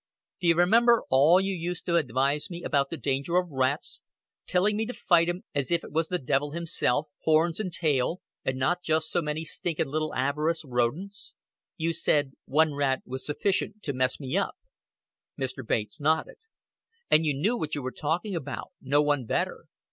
"D'you remember all you used to advise me about the danger of rats, telling me to fight 'em as if it was the devil himself, horns and tail, and not just so many stinking little avaricious rodents? You said, one rat was sufficient to mess me up." Mr. Bates nodded. "And you knew what you were talking about no one better.